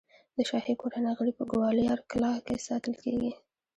د شاهي کورنۍ غړي په ګوالیار کلا کې ساتل کېدل.